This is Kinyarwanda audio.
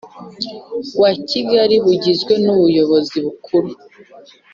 Wa kigali bugizwe n umuyobozi mukuru